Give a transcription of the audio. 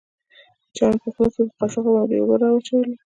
چا مې په خوله کښې په کاشوغه باندې اوبه راواچولې.